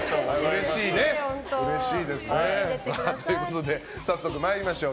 うれしいですね。ということで、早速参りましょう。